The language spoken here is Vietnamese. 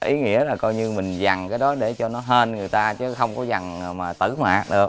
ý nghĩa là coi như mình dằn cái đó để cho nó hên người ta chứ không có dằn tử mạc được